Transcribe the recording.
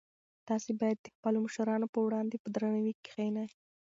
تاسي باید د خپلو مشرانو په وړاندې په درناوي کښېنئ.